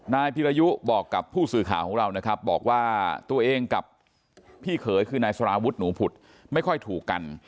นายพิรยุบอกกับผู้สื่อข่าวของเรานะครับบอกว่าตัวเองกับพี่เขยคือนายสารวุฒิหนูผุดไม่ค่อยถูกกัน